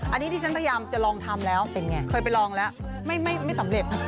อันนี้ที่ฉันพยายามจะลองทำแล้วเป็นไงเคยไปลองแล้วไม่สำเร็จ